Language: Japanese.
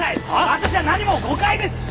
私は何も誤解ですって！